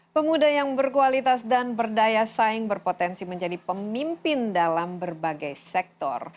pemuda yang berkualitas dan berdaya saing berpotensi menjadi pemimpin dalam berbagai sektor